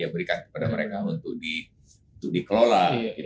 berikan kepada mereka untuk dikelola